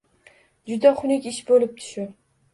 Juda xunuk ish bo‘libdi shu.